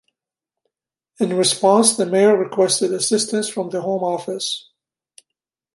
In response the Mayor requested assistance from the Home Office.